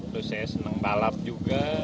terus saya senang balap juga